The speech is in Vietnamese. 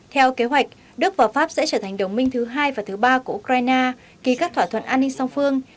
theo kế hoạch đức và pháp sẽ trở thành đồng minh thứ hai và thứ ba của ukraine ký các thỏa thuận an ninh song phương